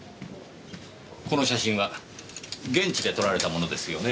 この写真は現地で撮られたものですよね？